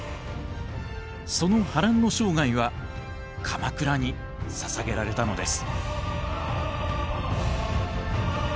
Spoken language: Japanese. その波乱の生涯は鎌倉に捧げられたのです。